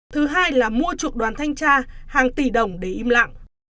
thứ hai là mua chuộc đoàn thanh tra hàng tỷ đồng để im lặng